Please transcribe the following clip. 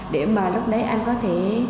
để mà lúc đấy anh có thể